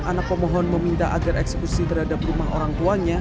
anak pemohon meminta agar eksekusi terhadap rumah orang tuanya